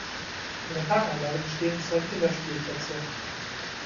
In der Parkanlage bestehen zwei Kinderspielplätze.